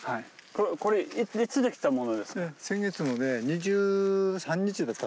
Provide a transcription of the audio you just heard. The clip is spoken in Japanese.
これいつできたものですか？